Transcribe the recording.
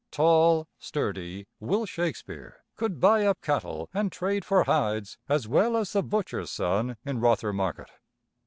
Tall sturdy Will Shakespeare could buy up cattle and trade for hides as well as the butcher's son in Rother Market.